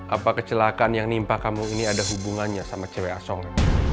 apa kecelakaan yang menimpa kamu ini ada hubungannya sama cewek asong